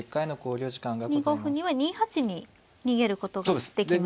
２五歩には２八に逃げることができますね。